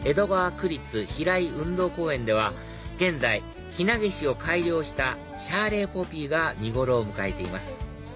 区立平井運動公園では現在ヒナゲシを改良したシャーレーポピーが見頃を迎えています